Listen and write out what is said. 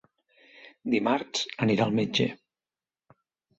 Dimarts anirà al metge.